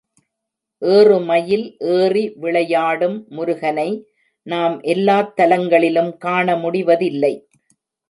ஏறுமயில் ஏறி விளையாடும் முருகனை நாம் எல்லாத் தலங்களிலும் காண முடிவதில்லை.